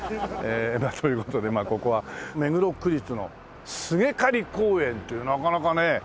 という事でここは目黒区立の菅刈公園というなかなかね